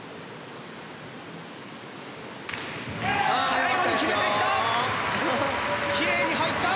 最後に決めてきた！